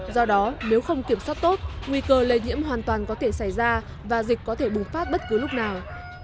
do đó nếu không kiểm soát tốt nguy cơ lây nhiễm hoàn toàn có thể xảy ra và dịch có thể bùng phát bất cứ lúc nào